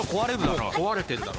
もう壊れてるだろ。